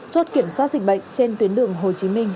chốt kiểm soát dịch bệnh trên tuyến đường hồ chí minh